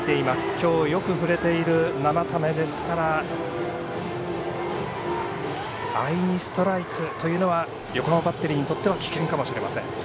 今日よく振れている生田目ですからストライクということは横浜バッテリーには危険かもしれません。